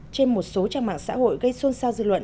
trên một số trang mạng xã hội gây xôn xao dư luận